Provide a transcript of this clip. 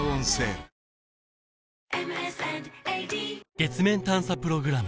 月面探査プログラム